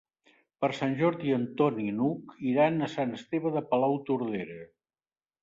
Per Sant Jordi en Ton i n'Hug iran a Sant Esteve de Palautordera.